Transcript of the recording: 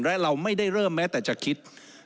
และเราไม่ได้เริ่มแม้แต่จะคิด